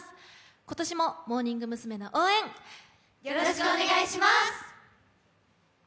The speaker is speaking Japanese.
今年もモーニング娘の応援、よろしくお願いします。